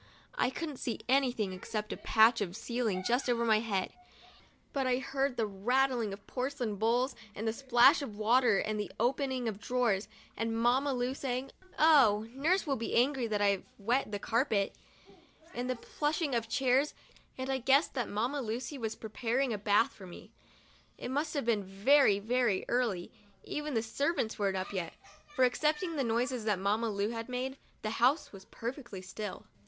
I couldn't see anything except a patch of ceiling just over my head ; but I heard the rattling of porcelain bowls and the splash of water and the open ing of drawers, and Mamma Lu, saying, "Oh, nurse will be angry that I've wet the carpet," and the pushing of chairs, and I guessed that Mamma Lucy was pre paring a bath for me. It must have been very, very early — even the servants weren't up yet, for, excepting the noises that Mamma Lu made, the house was perfectly still.